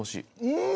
うん！